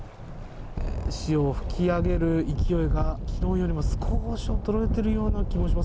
潮を吹き上げる勢いが昨日よりも、少し衰えているような気もします。